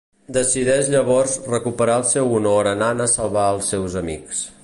Decideix llavors recuperar el seu honor anant a salvar els seus amics.